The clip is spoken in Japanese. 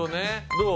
どう？